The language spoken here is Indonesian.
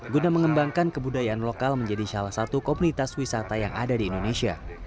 guna mengembangkan kebudayaan lokal menjadi salah satu komunitas wisata yang ada di indonesia